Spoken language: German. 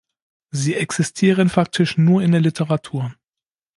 Sie existieren faktisch nur in der Literatur.